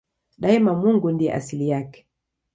Daima Mungu ndiye asili yake.